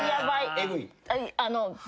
えぐい？